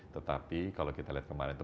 tetapi kalau kita lihat kemarin itu